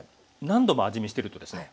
何度も味見してるとですね